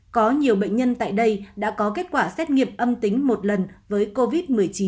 có nhiều bệnh nhân tại đây đã có kết quả xét nghiệm âm tính một lần với covid một mươi chín